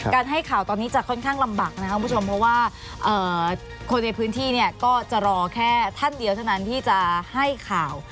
ให้ข่าวตอนนี้จะค่อนข้างลำบากนะครับคุณผู้ชมเพราะว่าคนในพื้นที่เนี่ยก็จะรอแค่ท่านเดียวเท่านั้นที่จะให้ข่าว